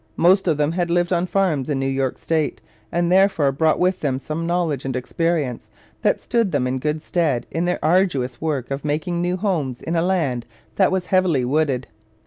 Most of them had lived on farms in New York State, and therefore brought with them some knowledge and experience that stood them in good stead in their arduous work of making new homes in a land that was heavily wooded.